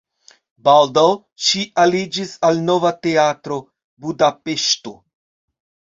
Baldaŭ ŝi aliĝis al Nova Teatro (Budapeŝto).